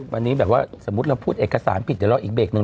วันนี้แบบว่าสมมุติเราพูดเอกสารผิดเดี๋ยวรออีกเบรกหนึ่ง